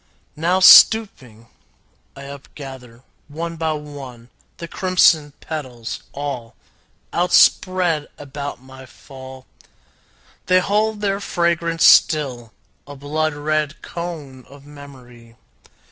Now, stooping, I upgather, one by one, The crimson petals, all Outspread about my fall. They hold their fragrance still, a blood red cone Of memory.